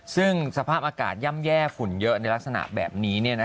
ซึ่งสภาพอากาศย่ำแย่ฝุ่นเยอะในลักษณะแบบนี้